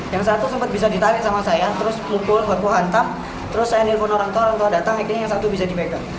yang satu sempat bisa ditarik sama saya terus pukul aku hantam terus saya nelfon orang tua orang tua datang akhirnya yang satu bisa dipegang